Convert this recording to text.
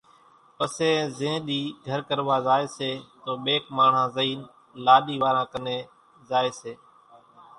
پسي زين ۮِي گھر ڪروا زائيَ سي تو ٻيڪ ماڻۿان زئينَ لاڏِي واران ڪنين زائيَ سي۔